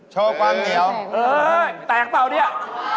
โชว์ความเหนียวเอ้ยแตกเปล่าเนี่ย